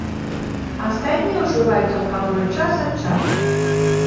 Астатнія ўжываюць алкаголь час ад часу.